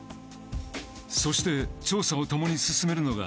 そして調査を共に進めるのが。